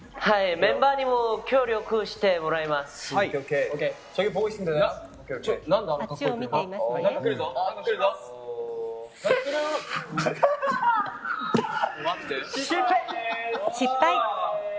メンバーにも協力してもらいます。